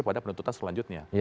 pada penuntutan selanjutnya